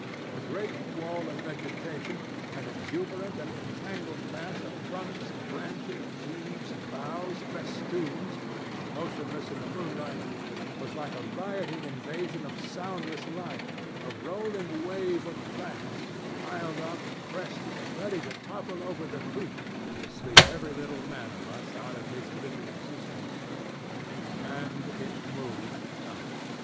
The great wall of vegetation, an exuberant and entangled mass of trunks, branches, leaves, boughs, festoons, motionless in the moonlight, was like a rioting invasion of soundless life, a rolling wave of plants, piled up, crested, ready to topple over the creek, to sweep every little man of us out of his little existence. And it moved not.